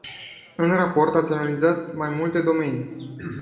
În raport ați analizat mai multe domenii.